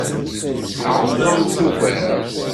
Ɛeṛḍemt ugar.